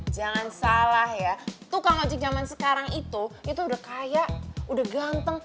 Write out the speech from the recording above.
jangan salah ya tukang ojek zaman sekarang itu itu udah kayak udah ganteng